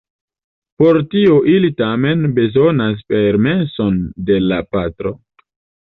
Por tio ili tamen bezonas permeson de la patro.